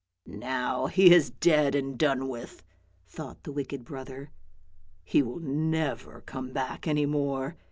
" Now he is dead and done with," thought the wicked brother. " He will never come back any more.